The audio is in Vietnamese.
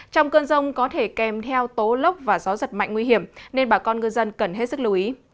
trong cơn rông có thể kèm theo tố lốc và gió giật mạnh nguy hiểm nên bà con ngư dân cần hết sức lưu ý